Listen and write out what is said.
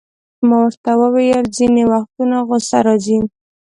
ما ورته وویل: ځیني وختونه غصه راځي.